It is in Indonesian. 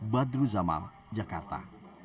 badru zamal jakarta